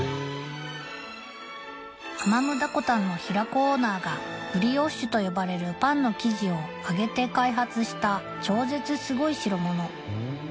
アマムダコタンの平子オーナーがブリオッシュと呼ばれるパンの生地を揚げて開発した超絶すごい代物